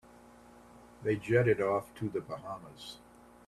They jetted off to the Bahamas.